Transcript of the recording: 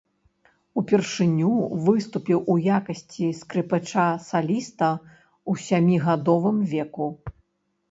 Упершыню выступіў у якасці скрыпача-саліста ў сямігадовым веку.